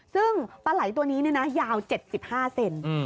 ซึ่งปลายตัวนี้นี่นะยาว๗๕เซนติเมตร